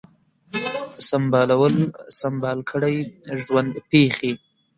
سمبالول ، سمبال کړی ، ژوند پیښې